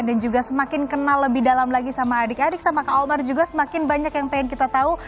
dan juga semakin kenal lebih dalam lagi sama adik adik sama kak omar juga semakin banyak yang ingin kita tahu